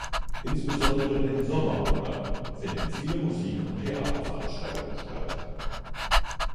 Insbesondere in den Sommermonaten finden viele Musik- und Theaterveranstaltungen statt.